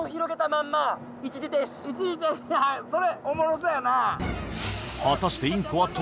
一時停止それおもろそうやな。